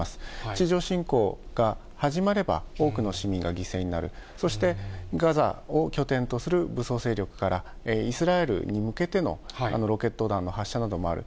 地上侵攻が始まれば、多くの市民が犠牲になる、そして、ガザを拠点とする武装勢力からイスラエルに向けてのロケット弾の発射などもある。